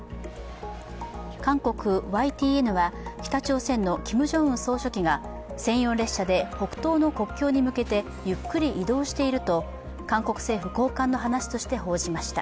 韓国ＹＴＮは、北朝鮮のキム・ジョンウン総書記が専用列車で北東の国境に向けてゆっくり移動していると、韓国政府高官の話として報じました。